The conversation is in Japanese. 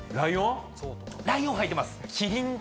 ライオン入ってます。